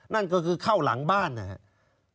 นั่นก็คือเข้าหลังบ้านนะครับ